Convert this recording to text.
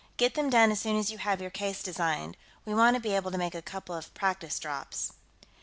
Get them done as soon as you have your case designed. We want to be able to make a couple of practice drops."